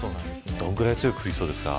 どのぐらい強く降りそうですか。